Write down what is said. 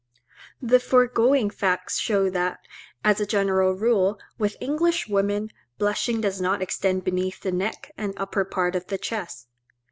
The foregoing facts show that, as a general rule, with English women, blushing does not extend beneath the neck and upper part of the chest.